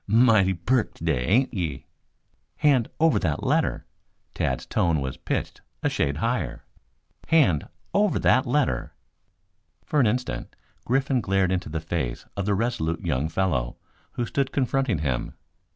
"Mighty perk today, ain't ye?" "Hand over that letter!" Tad's tone was pitched a shade higher. [Illustration: "Hand Over That Letter!"] For an instant Griffin glared into the face of the resolute young fellow who stood confronting him.